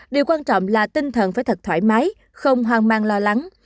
điều quan trọng là tinh thần phải thật thoải mái không hoang mang lo lắng